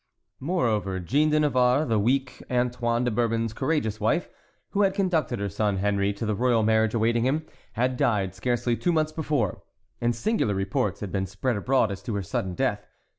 Moreover, Jeanne de Navarre, the weak Antoine de Bourbon's courageous wife, who had conducted her son Henry to the royal marriage awaiting him, had died scarcely two months before, and singular reports had been spread abroad as to her sudden death.